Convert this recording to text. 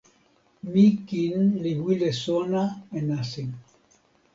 mi kin li wile sona e nasin.